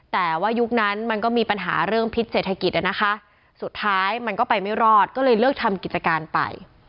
แต่ว่ายุคนั้นมันก็มีปัญหาเรื่องพิษเศรษฐกิจนะคะสุดท้ายมันก็ไปไม่รอดก็เลยเลิกทำกิจการไป